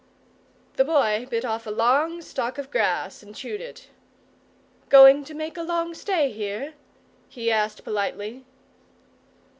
The Boy bit off a stalk of grass and chewed it. "Going to make a long stay here?" he asked, politely.